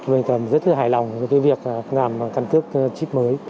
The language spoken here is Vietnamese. mình rất là hài lòng với việc làm căn cước chip mới